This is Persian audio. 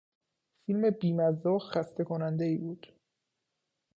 فیلم بیمزه و خستهکنندهای بود.